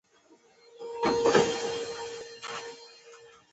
عثمان جان پاچا په کور کې نه و نه یې وموند.